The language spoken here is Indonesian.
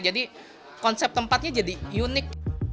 jadi konsep tempatnya jadi unik